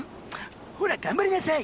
ほら頑張りなさい。